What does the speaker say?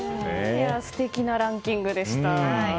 素敵なランキングでした。